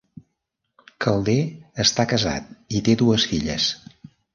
Calder està casat i té dues filles.